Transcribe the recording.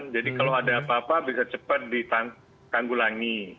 jadi kalau ada apa apa bisa cepat ditanggulangi